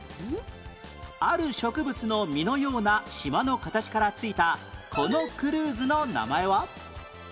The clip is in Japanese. ある植物の実のような島の形から付いたこのクルーズの名前は？